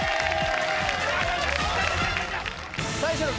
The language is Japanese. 最初の壁